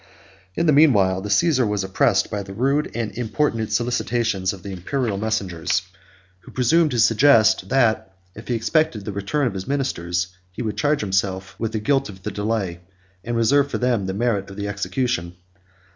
In the mean while the Cæsar was oppressed by the rude and importunate solicitations of the Imperial messengers, who presumed to suggest, that if he expected the return of his ministers, he would charge himself with the guilt of the delay, and reserve for them the merit of the execution.